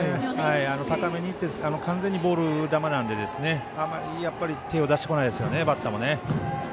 高めにいって完全にボール球なんであまり手を出してこないですよねバッターもね。